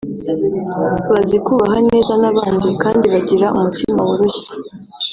bazi kubaba neza n’abandi kandi bagira umutima woroshye